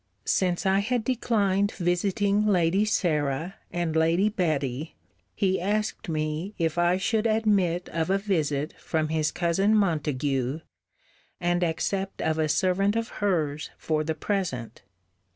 Since I had declined visiting Lady Sarah, and Lady Betty, he asked me, if I should admit of a visit from his cousin Montague, and accept of a servant of hers for the present?